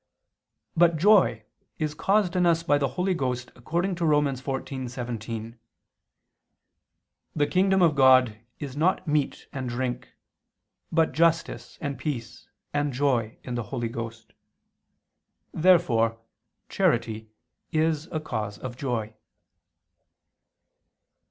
But joy is caused in us by the Holy Ghost according to Rom. 14:17: "The kingdom of God is not meat and drink, but justice and peace, and joy in the Holy Ghost." Therefore charity is a cause of joy.